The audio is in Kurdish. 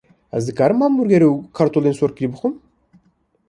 Ez dikarim hambûrger û kartolên sorkirî bixwim?